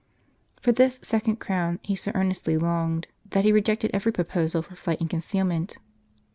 For this second crown he so earnestly longed, that he rejected every proposal for flight and concealment.